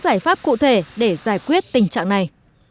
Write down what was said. giải pháp cụ thể để giải quyết tình trạng này